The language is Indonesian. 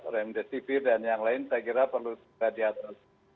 remdesivir dan yang lain saya kira perlu juga diatur